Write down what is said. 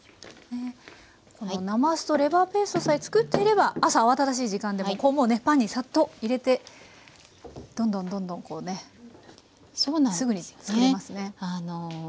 このなますとレバーペーストさえ作っていれば朝慌ただしい時間でもこうもうねパンにさっと入れてどんどんどんどんこうねすぐに作れますね。